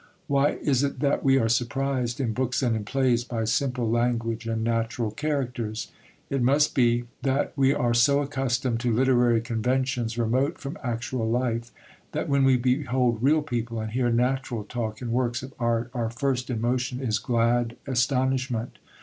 Why is it that we are surprised in books and in plays by simple language and natural characters? It must be that we are so accustomed to literary conventions remote from actual life, that when we behold real people and hear natural talk in works of art our first emotion is glad astonishment.